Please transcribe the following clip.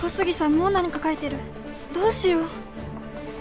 もう何か書いてるどうしよう